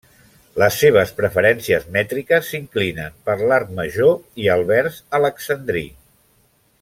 Les seves preferències mètriques s'inclinen per l'art major i el vers alexandrí.